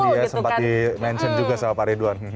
banyak tadi ya sempat dimention juga pak ridwan